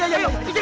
aduh aduh tas tas